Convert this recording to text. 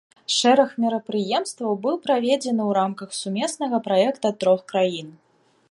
Шэраг мерапрыемстваў быў праведзены ў рамках сумеснага праекта трох краін.